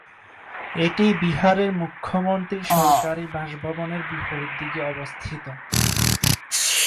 এটি বিহারের মুখ্যমন্ত্রীর সরকারি বাসভবনের বিপরীত দিকে অবস্থিত।